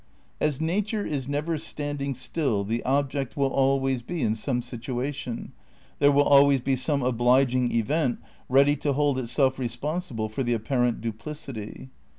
As nature is never standing still the ob ject will always be in some situation, there will always be some obliging event ready to hold itself responsible for the apparent duplicity.